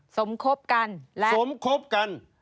สมคบกันสมคบกัน